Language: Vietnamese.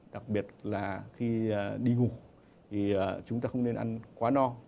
đặc biệt là khi đi ngủ thì chúng ta không nên ăn quá no